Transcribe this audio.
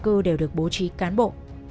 các dân cư đều được bố trí cán bộ